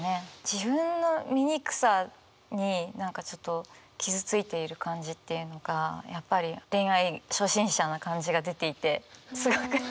自分の醜さに何かちょっと傷ついている感じっていうのがやっぱり恋愛初心者な感じが出ていてすごく。